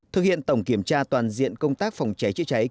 thực hiện tổng kiểm tra toàn diện công tác phòng cháy chữa cháy